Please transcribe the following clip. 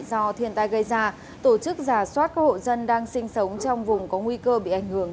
do thiên tai gây ra tổ chức giả soát các hộ dân đang sinh sống trong vùng có nguy cơ bị ảnh hưởng